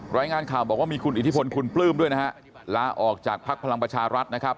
รายงานข่าวบอกว่ามีคุณอิทธิพลคุณปลื้มด้วยนะฮะลาออกจากภักดิ์พลังประชารัฐนะครับ